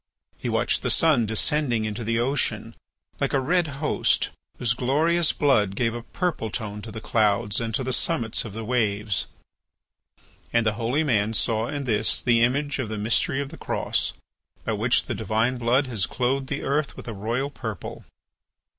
He watched the sun descending into the ocean like a red Host whose glorious blood gave a purple tone to the clouds and to the summits of the waves. And the holy man saw in this the image of the mystery of the Cross, by which the divine blood has clothed the earth with a royal purple.